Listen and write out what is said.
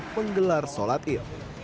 menggelar sholat idul